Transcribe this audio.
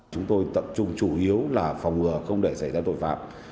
chúng tôi tập trung chủ yếu là phòng ngừa không để xảy ra tội phạm